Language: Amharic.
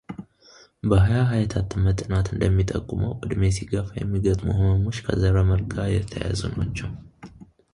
በሀያ ሀያ የታተመ ጥናት እንደሚጠቁመው ዕድሜ ሲገፋ የሚገጥሙ ሕመሞች ከዘረ መል ጋር የተያያዙ ናቸው።